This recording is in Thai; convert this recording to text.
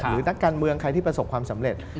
นักการเมืองใครที่ประสบความสำเร็จ